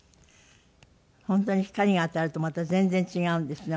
本当に光が当たるとまた全然違うんですね